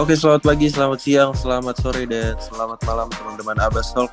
oke selamat pagi selamat siang selamat sore dan selamat malam teman teman abbasnov